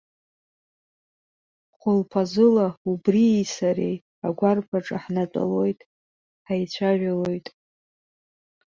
Хәылԥазыла убрии сареи агәарԥ аҿы ҳнатәалоит, ҳаицәажәалоит.